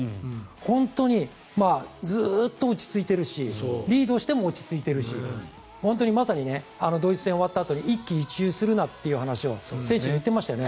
本当にずっと落ち着いているしリードしても落ち着いているし本当にまさにドイツ戦が終わったあとに一喜一憂するなという話を選手に言っていましたよね。